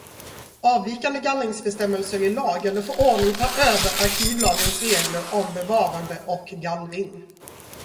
Avvikande gallringsbestämmelser i lag eller förordning tar över arkivlagens regler om bevarande och gallring.